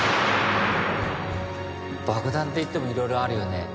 爆弾っていってもいろいろあるよね。